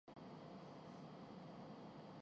اب شویتا بچن نندا نے اپنی